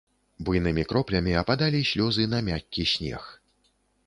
Буйнымі кроплямі ападалі слёзы на мяккі снег.